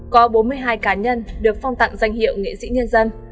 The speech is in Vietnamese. có bốn mươi hai cá nhân được phong tặng danh hiệu nghệ sĩ nhân dân